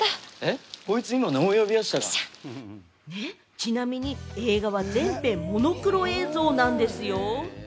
ちなみに映画は全編モノクロ映像なんですよ。